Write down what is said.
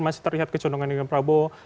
masih terlihat kecondongan dengan prabowo